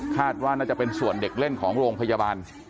ว่าน่าจะเป็นส่วนเด็กเล่นของโรงพยาบาล